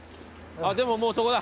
でももうそこだ。